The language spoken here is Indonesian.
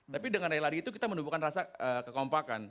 tapi dengan raya lari itu kita menubuhkan rasa kekompakan